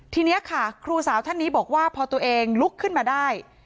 ทีนี้ค่ะครูสาวท่านนี้บอกว่าพอตัวเองลุกขึ้นมาได้